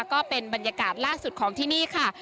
ก็เป็นบรรยากาศล่าสุดของที่นี่ค่ะ